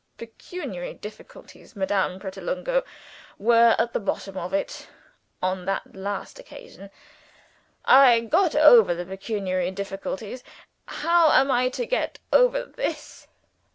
Pecuniary difficulties, Madame Pratolungo, were at the bottom of it on that last occasion. I got over the pecuniary difficulties. How am I to get over this?